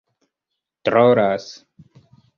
trolas